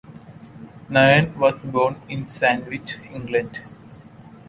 Nairne was born in Sandwich, England.